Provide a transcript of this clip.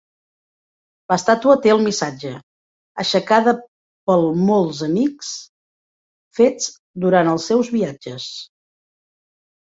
L'estàtua té el missatge "Aixecada pel molts amics fets durant els seus viatges".